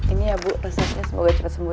ini ya bu prosesnya semoga cepat sembuh ya